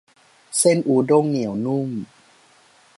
เส้นอุด้งเหนียวนุ่ม